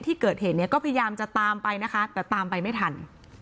ที่เกิดเหตุเนี่ยก็พยายามจะตามไปนะคะแต่ตามไปไม่ทัน